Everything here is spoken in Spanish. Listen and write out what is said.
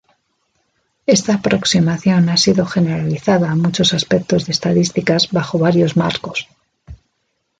Esta aproximación ha sido generalizada a muchos aspectos de estadísticas bajo varios marcos.